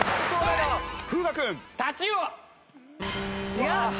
違う！